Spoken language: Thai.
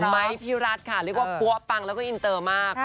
ไม้พี่รัฐค่ะเรียกว่าปั๊วปังแล้วก็อินเตอร์มาก